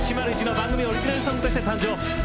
番組オリジナルソングとして誕生しました。